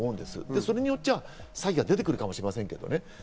それによっては詐欺が出てくるかもしれませんけどね。